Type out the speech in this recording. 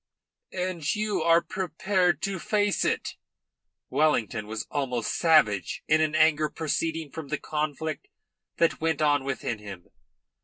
"And you are prepared to face it?" Wellington was almost savage in an anger proceeding from the conflict that went on within him.